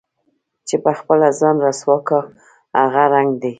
چې په خپله ځان رسوا كا هغه رنګ دے